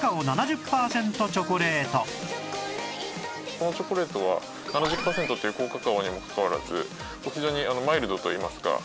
このチョコレートは７０パーセントという高カカオにもかかわらず非常にマイルドといいますか。